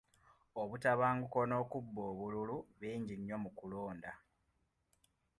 Obutabanguko n'okuba obululu bingi nnyo mu kulonda.